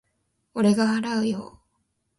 俺が払うよ。